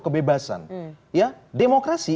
kebebasan ya demokrasi